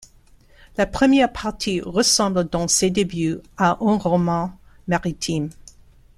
La première partie ressemble dans ses débuts à un roman maritime.